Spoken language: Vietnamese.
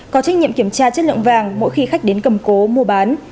có trách nhiệm kiểm tra chất lượng vàng mỗi khi khách đến cầm cố mua bán